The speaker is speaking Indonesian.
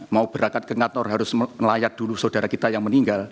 mau berangkat ke ngatur harus melayat dulu saudara kita yang meninggal